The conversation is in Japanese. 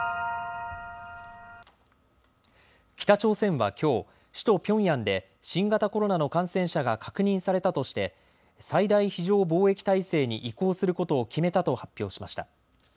北朝鮮はきょう、首都ピョンヤンで新型コロナの感染者が確認されたとして最大非常防疫態勢に移行することを決めたと発表しました。